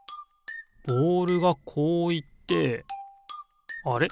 ボールがこういってあれ？